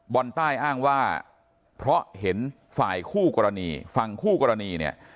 ใต้อ้างว่าเพราะเห็นฝ่ายคู่กรณีฝั่งคู่กรณีเนี่ย